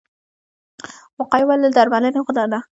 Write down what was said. وقایه ولې له درملنې غوره ده؟